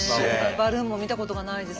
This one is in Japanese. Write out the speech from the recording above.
バルーンも見たことがないです。